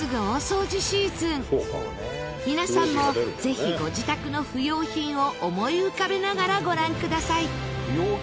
皆さんもぜひご自宅の不要品を思い浮かべながらご覧ください。